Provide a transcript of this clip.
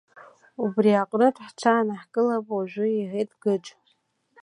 Убри аҟынтә ҳҽаанаҳкылап уажәы, — иҳәеит Гыџь.